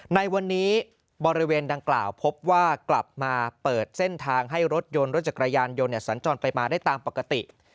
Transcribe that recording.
ในวันนี้บริเวณดังกล่าวพบว่ากลับมาเปิดเส้นทางให้รถยนต์รถจักรยานยนต์สัญจรไปมาได้ตามปกติ